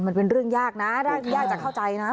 มันเป็นเรื่องยากนะยากจะเข้าใจนะ